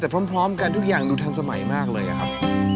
แต่พร้อมกันทุกอย่างดูทันสมัยมากเลยอะครับ